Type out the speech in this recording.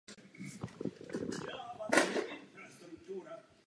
Moji voliči se pravidelně ptají, kdo Španělsko vede.